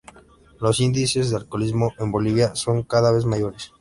Los índices de alcoholismo en Bolivia son cada vez mayores.